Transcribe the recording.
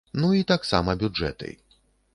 Ну і таксама бюджэты.